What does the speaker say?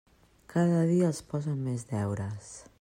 Cada dia els posen més deures.